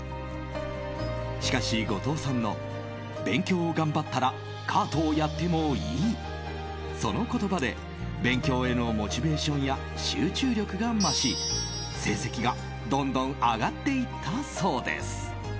しかし、後藤さんの勉強を頑張ったらカートをやってもいいその言葉で勉強へのモチベーションや集中力が増し成績がどんどん上がっていったそうです。